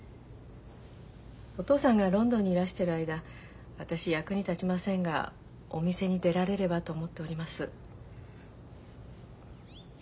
お義父さんがロンドンにいらしてる間私役に立ちませんがお店に出られればと思っております。